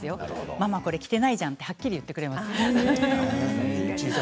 ママ、これ着ていないじゃんって言ってくれます。